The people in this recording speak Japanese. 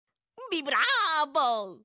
ビブラボ！